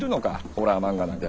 ホラー漫画なんか。